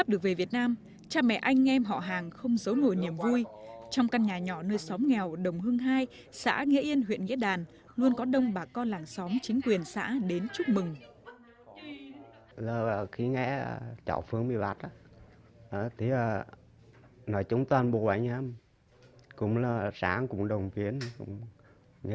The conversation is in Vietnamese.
được tin anh phan xuân phương sắp được về việt nam cha mẹ anh em họ hàng không giấu ngồi niềm vui